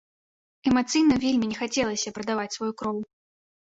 Эмацыйна вельмі не хацелася прадаваць сваю кроў.